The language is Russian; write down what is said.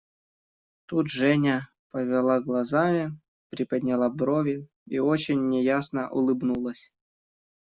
Тут Женя повела глазами, приподняла брови и очень неясно улыбнулась.